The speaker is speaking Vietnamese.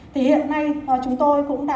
thì hiện nay chúng tôi cũng đã